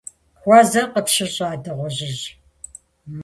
- Хуэзэр къыпщыщӏа, дыгъужьыжь!